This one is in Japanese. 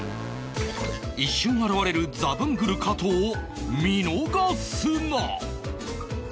一瞬現れるザブングル加藤を見逃すな！